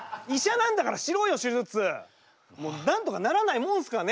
なんとかならないもんすかね？